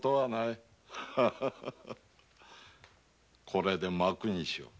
これで幕にしよう。